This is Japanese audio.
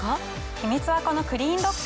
秘密はこのクリーンドック。